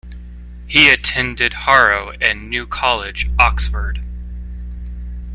He attended Harrow and New College, Oxford.